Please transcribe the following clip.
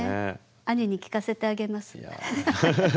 兄に聞かせてあげます。